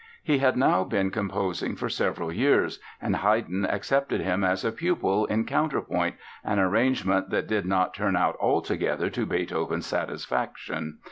He had now been composing for several years, and Haydn accepted him as a pupil in counterpoint, an arrangement that did not turn out altogether to Beethoven's satisfaction.